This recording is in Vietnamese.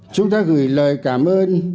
chúng ta gửi lời cảm ơn